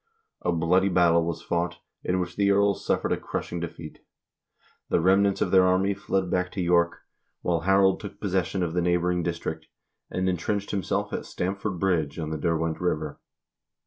A bloody battle was fought, in which the earls suffered a crushing defeat. The remnants of their army fled back to York, while Harald took possession of the neighboring district, and intrenched himself at Stamford Bridge on the Derwent River.